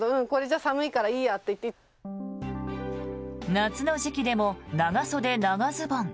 夏の時期でも長袖・長ズボン。